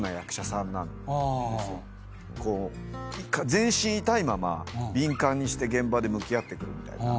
全身痛いまま敏感にして現場で向き合ってくるみたいな。